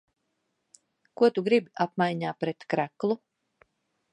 Ko tu gribi apmaiņā pret kreklu?